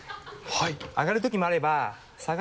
はい。